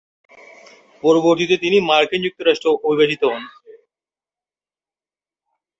পরবর্তীতে তিনি মার্কিন যুক্তরাষ্ট্রে অভিবাসিত হন।